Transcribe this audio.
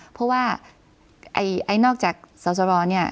เพราะว่านอกจากเศร้าเนี่ย